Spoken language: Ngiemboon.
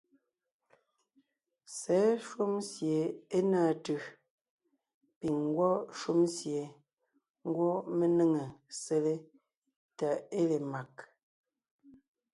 Sɛ̌ shúm sie é náa tʉ̀ piŋ ńgwɔ́ shúm sie ńgwɔ́ mé néŋe sele tà é le mag.